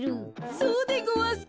そうでごわすか？